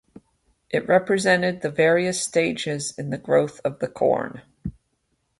It represented the various stages in the growth of the corn.